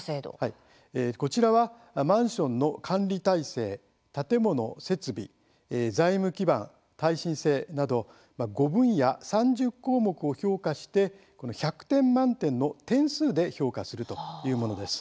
こちらはマンションの管理体制、建物・設備財務基盤、耐震性など５分野３０項目を評価して１００点満点の点数で評価するというものです。